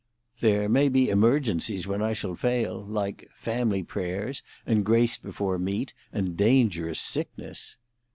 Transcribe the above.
"There may be emergencies when I shall fail—like family prayers, and grace before meat, and dangerous sickness."